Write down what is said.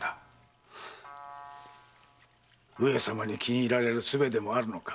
上様に気に入られる術でもあるのか？